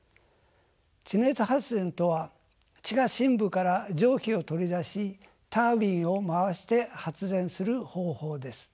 地熱発電とは地下深部から蒸気を取り出しタービンを回して発電する方法です。